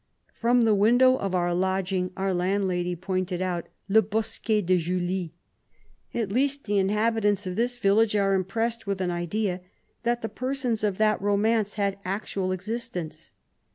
From the window of our lodging ^our landlady pointed out " le bosquet de Julie." At least the inha bitants of this village are impressed with an idea, that the persons of that romance had actual existence.